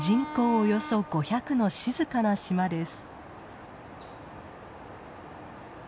およそ５００の静かな島です。